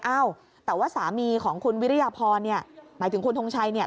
เอ้าแต่ว่าสามีของคุณวิริยพรเนี่ยหมายถึงคุณทงชัยเนี่ย